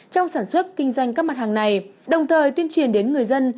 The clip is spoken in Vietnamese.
trong sản xuất kinh doanh các mặt hàng này đồng thời tuyên truyền đến người dân